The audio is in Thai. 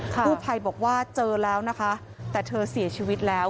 ผู้ภัยบอกว่าเจอแล้วนะคะแต่เธอเสียชีวิตแล้ว